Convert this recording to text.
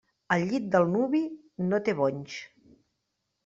El llit del nuvi no té bonys.